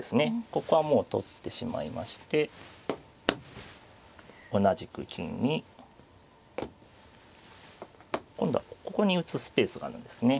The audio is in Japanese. ここはもう取ってしまいまして同じく金に今度はここに打つスペースがあるんですね。